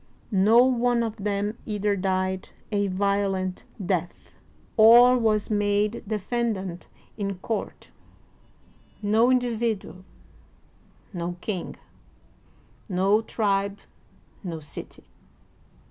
• No one of them either died a violent death, or was made defendant in court — no individual, no king, no tribe, no city.